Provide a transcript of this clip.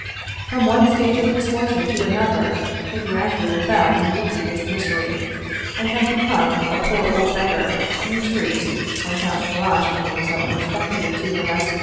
From one stage of misfortune to another she gradually fell into the deepest misery, and had become a poor old beggar in the streets when Count Kallash came so unexpectedly to her rescue.